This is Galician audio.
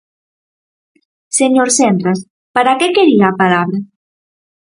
Señor Senras, ¿para que quería a palabra?